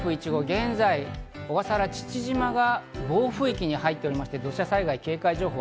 現在、小笠原、父島が暴風域に入っておりまして土砂災害警戒情報。